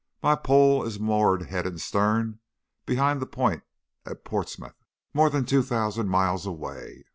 My Poll is moored head and starn, behind the point at Portsmouth, more'n two thousand mile away.